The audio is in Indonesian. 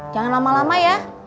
jangan lama lama ya